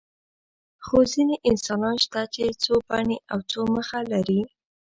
خو ځینې انسانان شته چې څو بڼې او څو مخه لري.